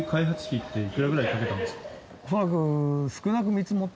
恐らく。